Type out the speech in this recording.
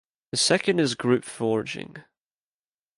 The second is group foraging.